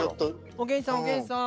おげんさんおげんさん。